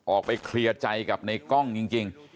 ออกไปเคลียร์ใจกับในกล้องจริง